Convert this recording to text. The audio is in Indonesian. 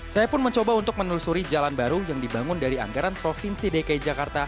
saya pun mencoba untuk menelusuri jalan baru yang dibangun dari anggaran provinsi dki jakarta